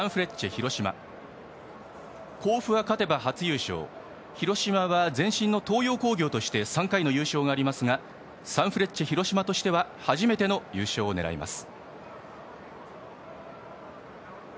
広島は前身の東洋工業として３回の優勝がありますがサンフレッチェ広島としては初めての優勝を狙います。